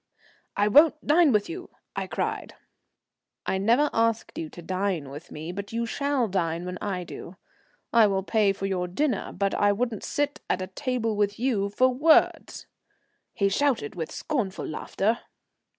"I won't dine with you," I cried. "I never asked you to dine with me, but you shall dine when I do. I will pay for your dinner, but I wouldn't sit at table with you for worlds," he shouted with scornful laughter.